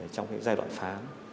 trong cái giai đoạn phá